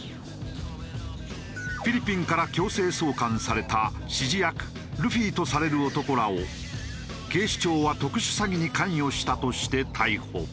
フィリピンから強制送還された指示役ルフィとされる男らを警視庁は特殊詐欺に関与したとして逮捕。